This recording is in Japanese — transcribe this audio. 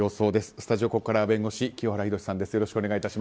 スタジオ、ここからは弁護士、清原博さんです。